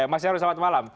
mas nyarwi selamat malam